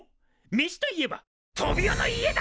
めしといえばトビオの家だ！